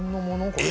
これ。